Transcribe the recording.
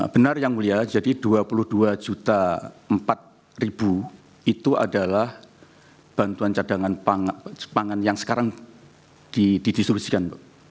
benar yang mulia jadi rp dua puluh dua empat itu adalah bantuan cadangan pangan yang sekarang didistribusikan